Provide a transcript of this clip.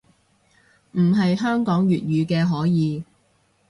唔係香港粵語嘅可以